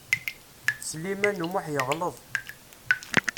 Sliman U Muḥ yeɣleḍ.